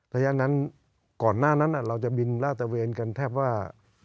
แต่ตั้งนั้นก่อนหน้านั้นเราจะบินลาตเตอร์เวชน์กันแทบว่า